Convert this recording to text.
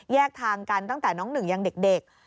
ทางกันตั้งแต่น้องหนึ่งยังเด็ก